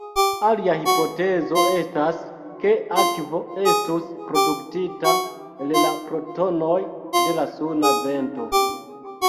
Alia hipotezo estas, ke akvo estus produktita el la protonoj de la suna vento.